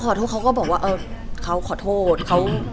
เหมือนนางก็เริ่มรู้แล้วเหมือนนางก็เริ่มรู้แล้ว